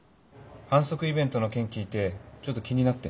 販促イベントの件聞いてちょっと気になって。